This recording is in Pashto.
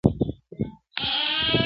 قاتلان به گرځي سرې سترگي په ښار كي -